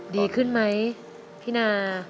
ดีขึ้นไหมพี่นา